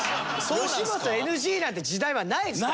吉本ＮＧなんて時代はないですから。